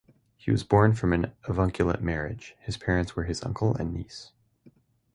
He was born from an avunculate marriage - his parents were uncle and niece.